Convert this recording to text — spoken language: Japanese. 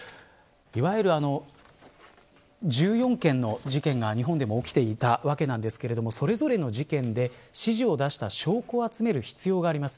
１４件の事件が日本でも起きていたわけなんですがそれぞれの事件で指示を出した証拠を集める必要があります。